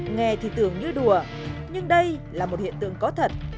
nghe thì tưởng như đùa nhưng đây là một hiện tượng có thật